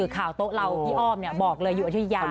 ข่าวโต๊ะเราพี่อ้อมบอกเลยอยู่อาทิตยา